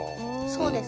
そうです。